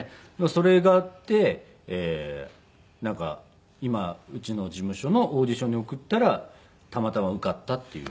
それがあってなんか今うちの事務所のオーディションに送ったらたまたま受かったっていう。